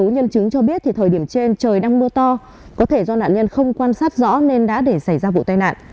nhưng không quan sát rõ nên đã để xảy ra vụ tai nạn